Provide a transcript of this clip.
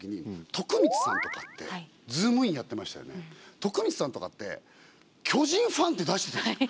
徳光さんとかって巨人ファンって出してたじゃん。